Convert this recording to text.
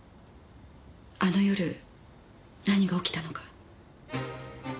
あの夜何が起きたのか。